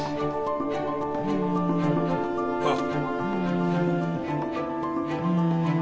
ああ。